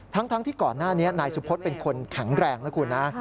ทั้งที่ก่อนหน้านี้นายสุพธเป็นคนแข็งแรงนะคุณนะ